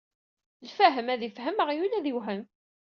Lfahem ad ifhem, aɣyul ad iwhem.